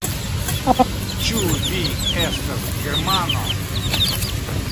Ĉu vi estas germano?